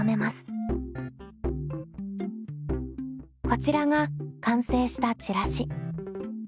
こちらが完成したチラシ。